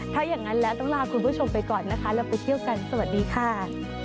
ถ้าอย่างนั้นแล้วต้องลาคุณผู้ชมไปก่อนนะคะเราไปเที่ยวกันสวัสดีค่ะ